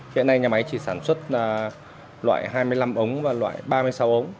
hiện nay nhà máy chỉ sản xuất loại hai mươi năm ống và loại ba mươi sáu ống